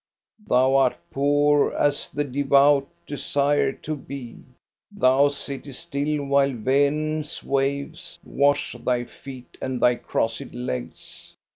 Thou art poor, as the devout desire to be. Thou sittest still, while Vanern's waves wash thy feet and thy crossed legs.